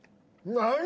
何？